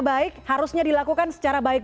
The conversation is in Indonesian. baik harusnya dilakukan secara baik